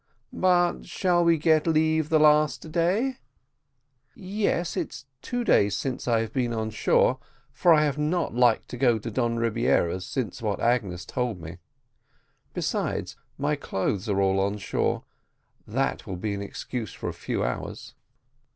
"But shall we get leave the last day?" "Yes, it's two days since I have been on shore, for I have not liked to go to Don Rebiera's since what Agnes told me. Besides, my clothes are all on shore, and that will be an excuse for a few hours."